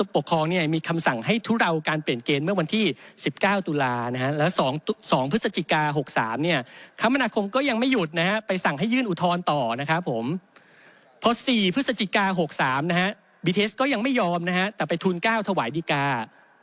พอ๔พฤศจิกา๖๓นะฮะบีเทสก็ยังไม่ยอมนะฮะแต่ไปทูล๙ถวายดีกา